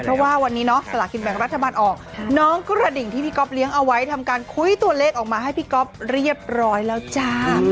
เพราะว่าวันนี้เนาะสลากินแบ่งรัฐบาลออกน้องกระดิ่งที่พี่ก๊อฟเลี้ยงเอาไว้ทำการคุ้ยตัวเลขออกมาให้พี่ก๊อฟเรียบร้อยแล้วจ้า